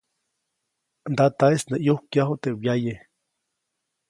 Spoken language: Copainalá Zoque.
Ndataʼis nä ʼyukyaju teʼ wyaye.